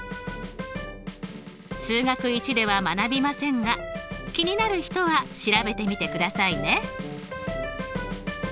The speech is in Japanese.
数学Ⅰでは学びませんが気になる人は調べてみてくださいね。